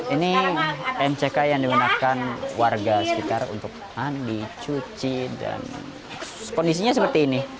ini mck yang digunakan warga sekitar untuk mandi cuci dan kondisinya seperti ini